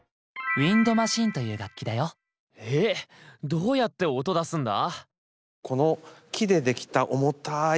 どうやって音出すんだ？